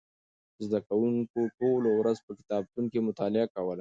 زده کوونکو ټوله ورځ په کتابتون کې مطالعه کوله.